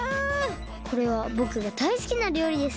これはぼくがだいすきなりょうりですね。